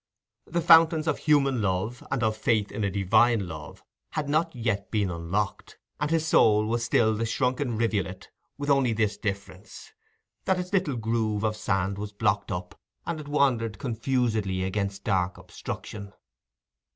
The fountains of human love and of faith in a divine love had not yet been unlocked, and his soul was still the shrunken rivulet, with only this difference, that its little groove of sand was blocked up, and it wandered confusedly against dark obstruction.